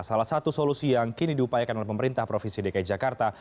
salah satu solusi yang kini diupayakan oleh pemerintah provinsi dki jakarta